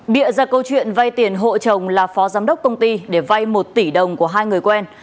bịa ra câu chuyện vay tiền hộ chồng là phó giám đốc công ty để vay một tỷ đồng của hai người quen